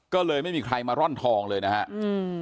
ก็เลยไม่มีใครมาร่อนทองเลยนะฮะอืม